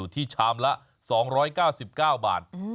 ที่ชามละ๒๙๙บาท